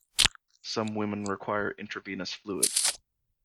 Some women require intravenous fluids.